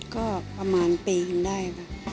ก็ประมาณปีถึงได้